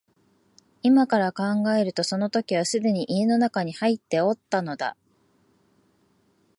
今から考えるとその時はすでに家の内に入っておったのだ